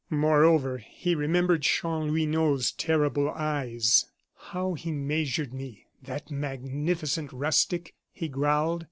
Moreover, he remembered Chanlouineau's terrible eyes. "How he measured me, that magnificent rustic!" he growled.